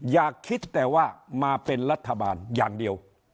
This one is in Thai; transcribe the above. อย่าคิดแต่ว่ามาเป็นรัฐบาลอย่างเดียว